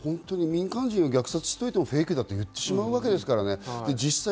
民間人を虐殺しておきながらもフェイクと言ってしまうわけですからね。